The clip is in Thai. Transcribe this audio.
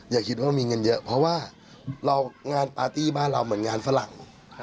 อย่าคิดว่าเรามีเงินเยอะเพราะว่าเรางานปาร์ตี้บ้านเราเหมือนงานฝรั่ง